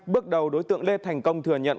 bước đầu đối tượng lê thành công thừa nhận